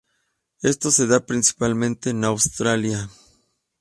Esto se da principalmente en Australia.